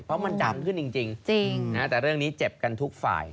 เพราะมันดังขึ้นจริงแต่เรื่องนี้เจ็บกันทุกฝ่าย